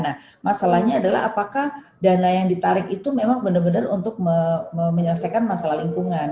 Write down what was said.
nah masalahnya adalah apakah dana yang ditarik itu memang benar benar untuk menyelesaikan masalah lingkungan